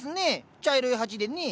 茶色い鉢でね。